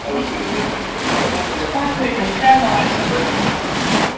trois rue Flamande